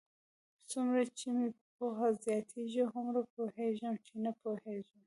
څومره چې مې پوهه زیاتېږي، هومره پوهېږم؛ چې نه پوهېږم.